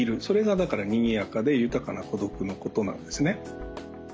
それがだからにぎやかで豊かな孤独のことなんですね。